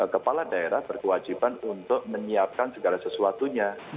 kepala daerah berkewajiban untuk menyiapkan segala sesuatunya